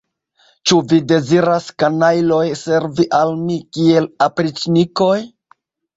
Ĉu vi deziras, kanajloj, servi al mi kiel opriĉnikoj?